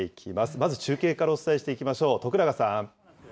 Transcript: まず中継からお伝えしていきましょう。